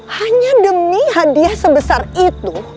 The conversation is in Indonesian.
hanya demi hadiah sebesar itu